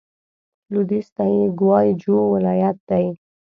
لوېدیځ ته یې ګوای جو ولايت دی.